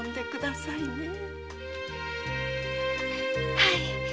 はい。